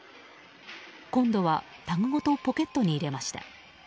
今度はタグごとポケットに入れました。